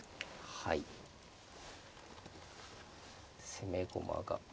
攻め駒が。